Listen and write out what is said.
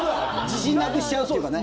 自信なくしちゃうっていうかね。